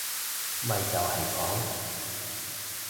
咪就係講